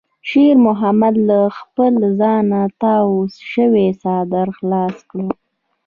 شېرمحمد له خپل ځانه تاو شوی څادر خلاص کړ.